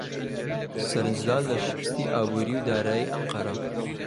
سەرنجدان لە شکستی ئابووری و دارایی ئەنقەرە